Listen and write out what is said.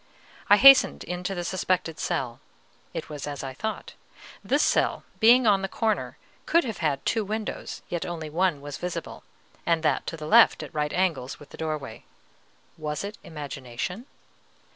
I hastened into the suspected cell; it was as I thought: this cell, being on the corner, could have had two windows, yet only one was visible, and that to the left, at right angles with the doorway. Was it imagination?